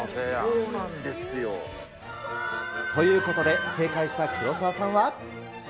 そうなんですよ。ということで、正解した黒沢さんは。